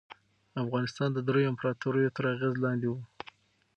افغانستان د دریو امپراطوریو تر اغېز لاندې و.